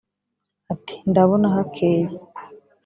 ati: ndabona hakeye